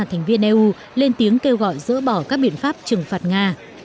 thành viên eu lên tiếng kêu gọi dỡ bỏ các biện pháp trừng phạt nga